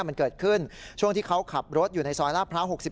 มันเกิดขึ้นช่วงที่เขาขับรถอยู่ในซอยลาดพร้าว๖๑